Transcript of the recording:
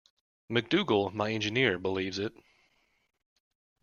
MacDougall, my engineer, believes it.